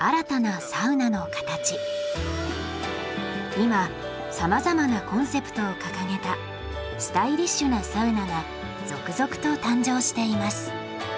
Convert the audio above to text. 今さまざまなコンセプトを掲げたスタイリッシュなサウナが続々と誕生しています。